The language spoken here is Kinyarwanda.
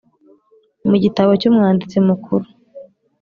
mu gitabo cy Umwanditsi Mukuru